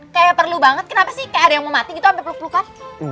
kayak perlu banget kenapa sih kayak ada yang mau mati gitu sampai peluk pelukan